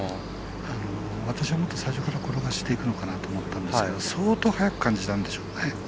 私も最初から転がしていくのかなと思ったんですが相当速く感じたんでしょうね。